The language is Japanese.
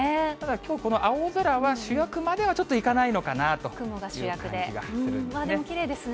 きょうこの青空は主役まではちょっといかないのかなという感じがするんですね。